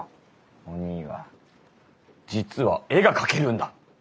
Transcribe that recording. おにぃは実は絵が描けるんだ！